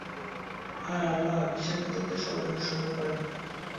আর আল্লাহ্ বিশ্বাসঘাতকদের ষড়যন্ত্র সফল করেন না।